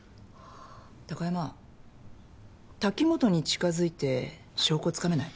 貴山滝本に近づいて証拠つかめない？